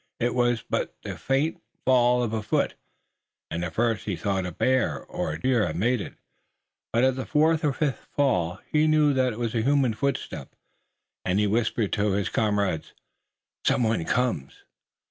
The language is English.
It was but the faint fall of a foot, and, at first, he thought a bear or a deer had made it, but at the fourth or fifth fall he knew that it was a human footstep and he whispered to his comrades: "Some one comes!"